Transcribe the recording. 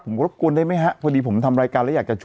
ครับผมรับควรได้มั้ยฮะ